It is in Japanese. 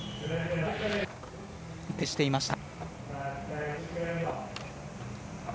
安定していました。